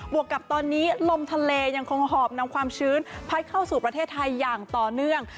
วกกับตอนนี้ลมทะเลยังคงหอบนำความชื้นพัดเข้าสู่ประเทศไทยอย่างต่อเนื่อง